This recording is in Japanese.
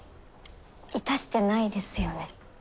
致してないですよね？